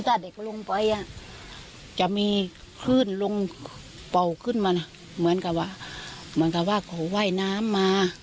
ถ้าเด็กเขาลงไปอ่ะจะมีขึ้นลงเป่าขึ้นมานะเหมือนกับว่าเหมือนกับว่าเขาไหว้น้ำมา